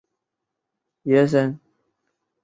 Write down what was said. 元朝至元十四年升池州为池州路。